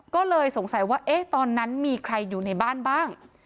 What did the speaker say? ก็เลยสงสัยว่าตอนนั้นมีใครอยู่ในบ้านบ้าง